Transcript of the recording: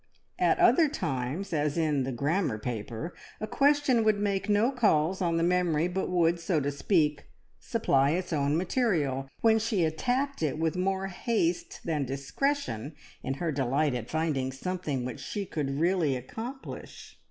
At other times, as in the grammar paper, a question would make no calls on the memory, but would, so to speak, supply its own material, when she attacked it with more haste than discretion in her delight at finding something which she could really accomplish.